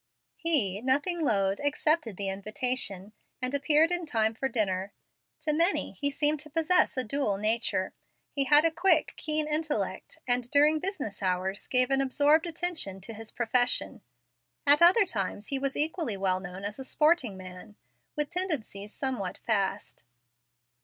He, nothing loath, accepted the invitation, and appeared in time for dinner. To many he seemed to possess a dual nature. He had a quick, keen intellect, and, during business hours, gave an absorbed attention to his profession. At other times he was equally well known as a sporting man, with tendencies somewhat fast.